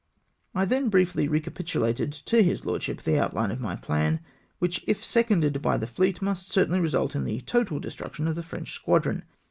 I then briefly recapitulated to his lordship the outhne of my plan, which, if seconded by the fleet, must cer tainly result in the total destruction of the French squadron.